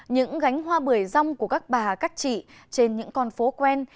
những gánh hoa bưởi rong của các bà các chị trên những con phố quen